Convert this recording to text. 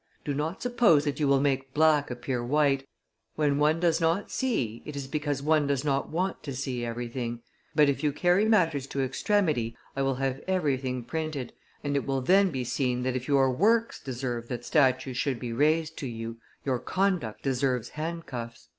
Do not suppose that you will make black appear white; when one does not see, it is because one does not want to see everything; but, if you carry matters to extremity, I will have everything printed, and it will then be seen that if your works deserve that statues should be raised to you, your conduct deserves handcuffs."